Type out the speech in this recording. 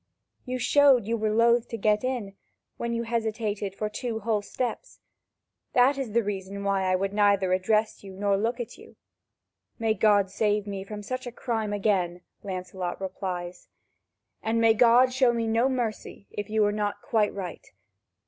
You showed you were loath to get in, when you hesitated for two whole steps. That is the reason why I would neither address nor look at you." "May God save me from such a crime again," Lancelot replies, "and may God show me no mercy, if you were not quite right!